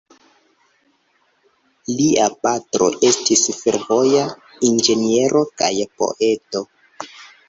Lia patro estis fervoja inĝeniero kaj poeto.